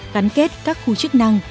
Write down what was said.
gắn kết các khu chức năng